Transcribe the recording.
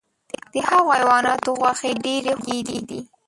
د هغو حیواناتو غوښې ډیرې خوږې دي .